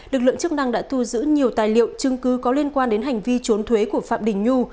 lực lượng chức năng đã thu giữ nhiều tài liệu chứng cứ có liên quan đến hành vi trốn thuế của phạm đình nhu